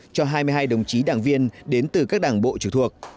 cho hai mươi hai đồng chí đảng viên đến từ các đảng bộ trực thuộc